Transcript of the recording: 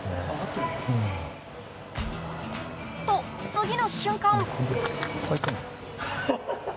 と、次の瞬間。